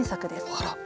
あら！